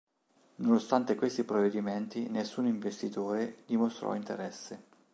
Nonostante questi provvedimenti nessun investitore dimostrò interesse.